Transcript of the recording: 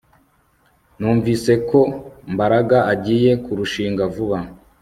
Numvise ko Mbaraga agiye kurushinga vuba